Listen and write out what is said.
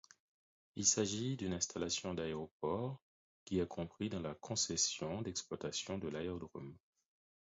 Il s'agit d'une installation d'aéroport qui est compris dans la concession d'exploitation de l'aérodrome.